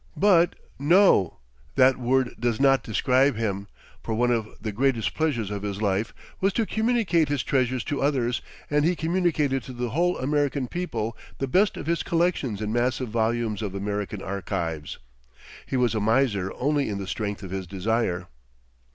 But, no; that word does not describe him; for one of the greatest pleasures of his life was to communicate his treasures to others; and he communicated to the whole American people the best of his collections in massive volumes of American Archives. He was a miser only in the strength of his desire.